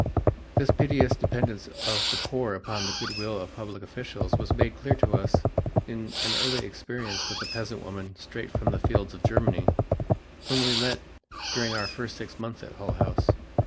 This piteous dependence of the poor upon the good will of public officials was made clear to us in an early experience with a peasant woman straight from the fields of Germany, whom we met during our first six months at Hull House.